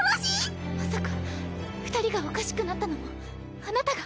まさか二人がおかしくなったのもあなたが？